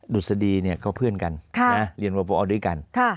ดุษฎีก็เพื่อนกันเรียนวพอด้วยกัน